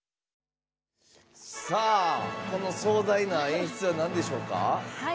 この壮大な演出はなんでしょうか？